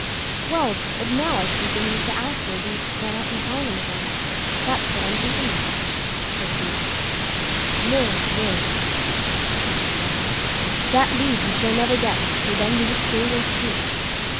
"Well, but now I've been thinking to ask your leave to set out and find them again; that's what I'm thinking of", said Boots. "Nay, nay!" said his father; "that leave you shall never get, for then you would stay away too."